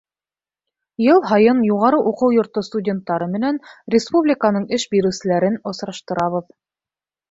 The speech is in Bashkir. Йыл һайын юғары уҡыу йорто студенттары менән республиканың эш биреүселәрен осраштырабыҙ.